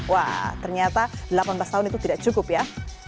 wah ternyata delapan belas tahun itu tidak cukup ya